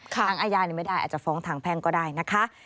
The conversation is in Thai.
ทางอาญาไม่ได้อาจจะฟ้องทางแพ่งก็ได้นะคะ